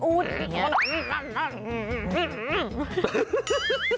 อื้มพีช